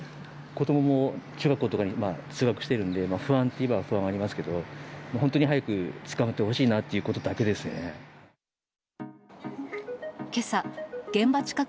子どもも中学校とかに通学しているので、不安といえば不安はありますけど、本当に早く捕まってほしいなっていうことだけですね。